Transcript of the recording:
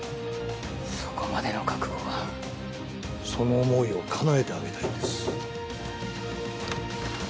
そこまでの覚悟がその思いをかなえてあげたいんです。